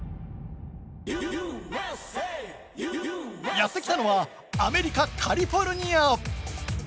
やって来たのはアメリカ・カリフォルニア。